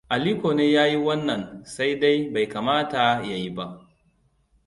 Aliko ne ya yi wannan, sai dai bai kamata ya yi ba.